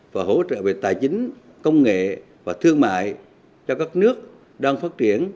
và hỗ trợ về tài chính công nghệ và thương mại cho các nước đang phát triển